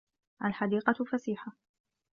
الْحَديقَةُ فَسِيحَةٌ.